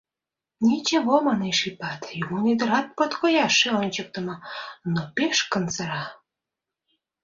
— Ничево, — манеш Ипат, — Юмын ӱдырат подкояшше ончыктымо, но пеш кынсыра.